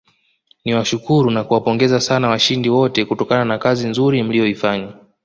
Niwashukuru na kuwapongeza sana washindi wote kutokana na kazi nzuri mliyoifanya